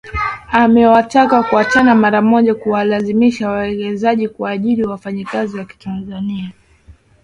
Amewataka kuacha mara moja kuwalazimisha wawekezaji kuajiri wafanyakazi wa kitanzania